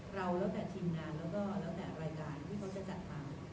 เราแล้วแต่ทีมงานแล้วก็แล้วแต่รายการที่เขาจะจัดมา